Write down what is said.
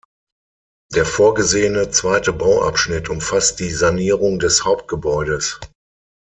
Der vorgesehene zweite Bauabschnitt umfasst die Sanierung des Hauptgebäudes.